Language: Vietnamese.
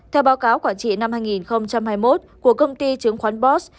theo báo cáo quản trị năm hai nghìn hai mươi một của công ty chứng khoán boss